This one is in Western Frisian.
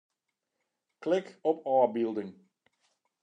Klik op ôfbylding.